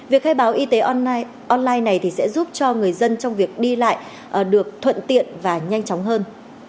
việc khai báo y tế online này sẽ giúp cho người dân trong việc đi lại được thuận tiện và nhanh chóng hơn